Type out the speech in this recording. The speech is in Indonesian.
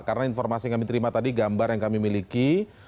karena informasi kami terima tadi gambar yang kami miliki